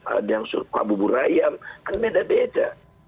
ada yang suka bubur ayam kan beda beda